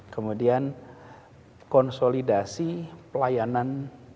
kemudian konsolidasi pelayanan